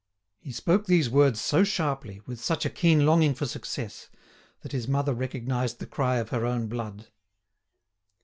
He spoke these words so sharply, with such a keen longing for success, that his mother recognised the cry of her own blood.